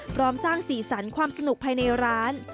พร้อมสร้างสีสันความสนุกภายในร้าน